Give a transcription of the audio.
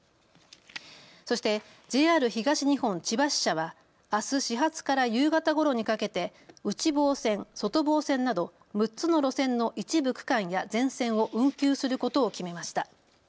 そしてＪＲ東日本千葉支社はあす始発から夕方ごろにかけて内房線、外房線など６つの路線の一部区間や全線を運休することを決めました。